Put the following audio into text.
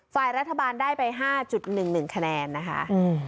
ฝ่ายรัฐบาลได้ไป๕๑๑คะแนนนะคะ